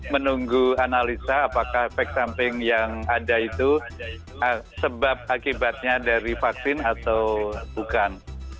menunggu analisa apakah efek samping yang ada itu sebab akibatnya dari vaksin atau bukan